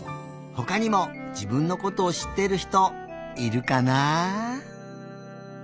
ほかにも自分のことをしっている人いるかな？